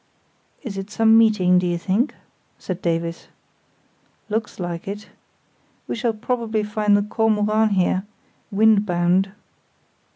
"Is it some meeting, do you think?" said Davies. "Looks like it. We shall probably find the Kormoran here, wind bound."